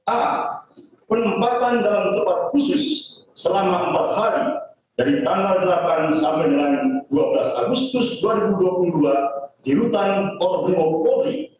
a penempatan dalam tempat khusus selama empat hari dari tanggal delapan sampai dengan dua belas agustus dua ribu dua puluh dua di rutan polri